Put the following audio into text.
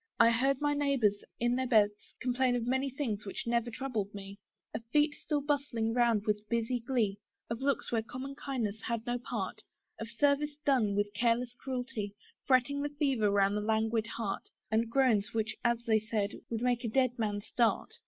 I heard my neighbours, in their beds, complain Of many things which never troubled me; Of feet still bustling round with busy glee, Of looks where common kindness had no part, Of service done with careless cruelty, Fretting the fever round the languid heart, And groans, which, as they said, would make a dead man start.